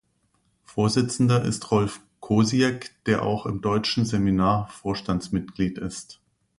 Vorsitzender ist Rolf Kosiek, der auch im „Deutschen Seminar“ Vorstandsmitglied ist.